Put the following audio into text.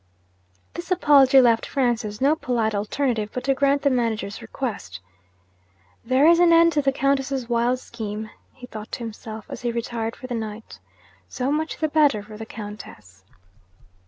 This apology left Francis no polite alternative but to grant the manager's request. 'There is an end to the Countess's wild scheme,' he thought to himself, as he retired for the night. 'So much the better for the Countess!'